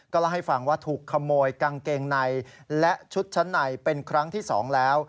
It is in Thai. เล่าให้ฟังว่าถูกขโมยกางเกงในและชุดชั้นในเป็นครั้งที่๒แล้ว